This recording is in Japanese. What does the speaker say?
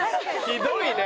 ひどいね。